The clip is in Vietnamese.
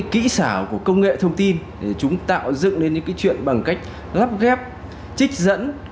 kênh thống thông tin quan trọng về an ninh quốc gia tiếp tục diễn ra